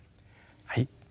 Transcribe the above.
はい。